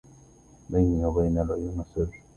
بيني وبين العيون سر